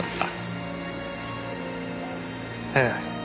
ええ。